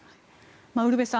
ウルヴェさん